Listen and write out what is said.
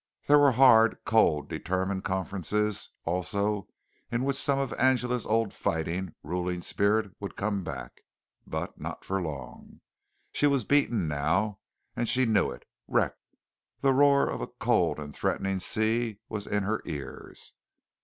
There were hard, cold and determined conferences also in which some of Angela's old fighting, ruling spirit would come back, but not for long. She was beaten now, and she knew it wrecked. The roar of a cold and threatening sea was in her ears.